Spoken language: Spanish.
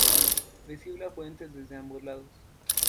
Recibe afluentes desde ambos lados.